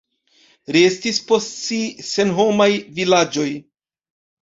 Restis post si senhomaj vilaĝoj.